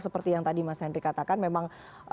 seperti yang tadi mas henry katakan memang